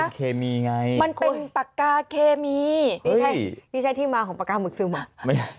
มันเคมีไงมันเป็นปากกาเคมีนี่ใช่ที่มาของปากกาหมึกซึมอ่ะ